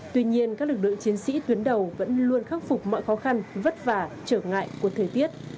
tuy nhiên các lực lượng chiến sĩ tuyến đầu vẫn luôn khắc phục mọi khó khăn vất vả trở ngại của thời tiết